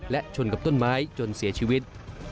และชนกับต้นไม้จนเสียชีวิต